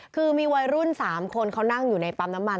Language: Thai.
คือมีวัยรุ่น๓คนเขานั่งอยู่ในปั๊มน้ำมัน